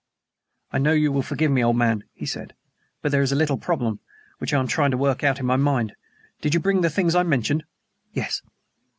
"I know you will forgive me, old man," he said, "but there is a little problem which I am trying to work out in my mind. Did you bring the things I mentioned?" "Yes."